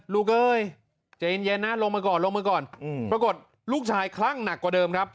เอ้ยใจเย็นนะลงมาก่อนลงมาก่อนปรากฏลูกชายคลั่งหนักกว่าเดิมครับ